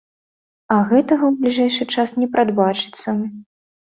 А гэтага ў бліжэйшы час не прадбачыцца.